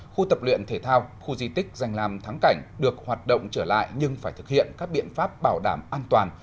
khu tập luyện thể thao khu di tích danh làm thắng cảnh được hoạt động trở lại nhưng phải thực hiện các biện pháp bảo đảm an toàn